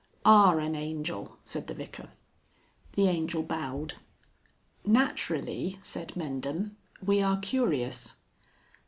"Are an Angel," said the Vicar. The Angel bowed. "Naturally," said Mendham, "we are curious."